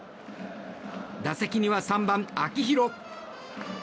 打席には３番、秋広。